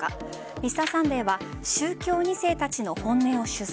「Ｍｒ．サンデー」は宗教２世たちの本音を取材。